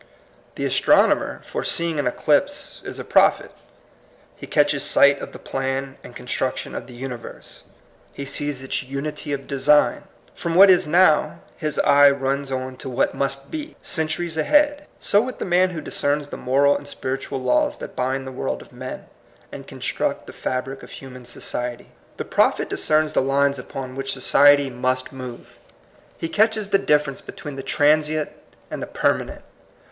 The astronomer foreseeing an eclipse is a prophet. He catches sight of the plan and construction of the universe. He sees its unity of design. From what is now, his eye runs on to what must be, centuries ahead. So with the man who discerns the moral and spiritual laws that bind the world of men, and construct the fabric of human society. The prophet dis cerns the lines upon which gogiety must 4 THE COMING PEOPLE. move. He catches the di£Ference between the transient and the permanent.